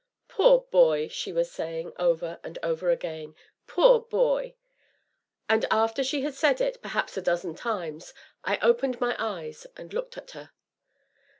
"Poor boy!" she was saying, over and over again, "poor boy!" And after she had said it, perhaps a dozen times, I opened my eyes and looked at her.